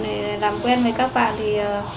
nhưng mà sau dần dần làm quen với các bạn thì